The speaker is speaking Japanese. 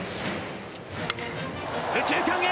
右中間へ。